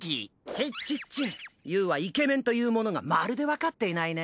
チッチッチッユーはイケメンというものがまるでわかっていないね。